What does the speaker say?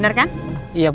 paket makanan buat bu andin